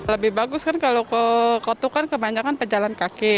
lebih bagus kan kalau kotukan kebanyakan pejalan kaki